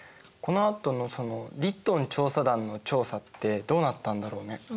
このあとのそのリットン調査団の調査ってどうなったんだろうね？